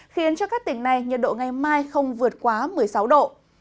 khiến cho các tỉnh này nhiệt độ ngày mai không vượt quá một mươi sáu độ